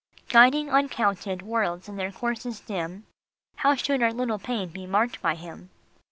" Guiding uncounted worlds in their courses dim, How should our little pain be marked by him?"